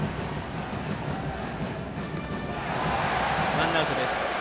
ワンアウトです。